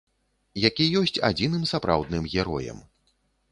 Які ёсць адзіным сапраўдным героем.